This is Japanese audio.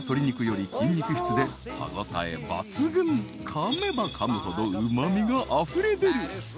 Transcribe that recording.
［かめばかむほどうま味があふれ出る］